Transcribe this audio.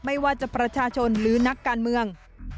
ไม่ว่าจะประชาชนหรือนักการเมือง